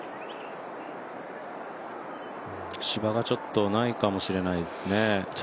芝がちょっとないかもしれないですね。